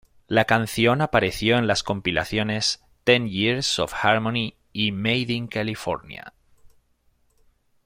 La canción apareció en las compilaciones "Ten Years of Harmony" y "Made in California".